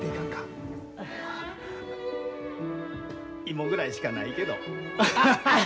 芋ぐらいしかないけど。